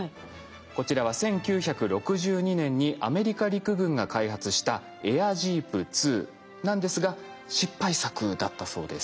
こちらは１９６２年にアメリカ陸軍が開発したエアジープⅡなんですが失敗作だったそうです。